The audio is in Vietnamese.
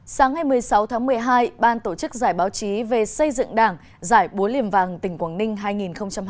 sáng ngày một mươi sáu tháng một mươi hai ban tổ chức giải báo chí về xây dựng đảng giải búa liềm vàng tỉnh quảng ninh hai nghìn hai mươi